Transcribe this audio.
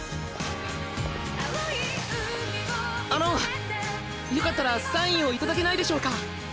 あのよかったらサインを頂けないでしょうか！